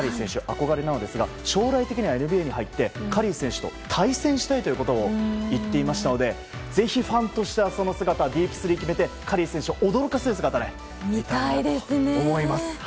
憧れなんですが将来的にはＮＢＡに入ってカリー選手と対戦したいと言っていましたのでぜひ、ファンとしてはその姿ディープスリーを決めてカリー選手を驚かせる姿が見たいと思います。